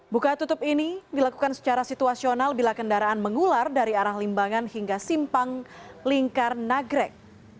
buka tutup ini dilakukan secara situasional bila kendaraan mengular dari arah limbangan hingga simpang lingkar nagrek